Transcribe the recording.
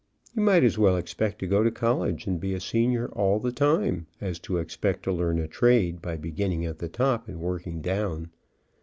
You might as well expect to go to college and be a senior all the time, as to expect to learn a trade by beginning at the top and working down.